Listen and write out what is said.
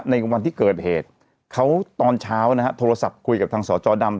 ในวันที่เกิดเหตุเขาตอนเช้านะฮะโทรศัพท์คุยกับทางสจดำ